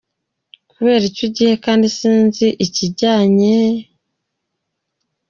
Kubera iki ugiye kandi sinzi ikijyanye….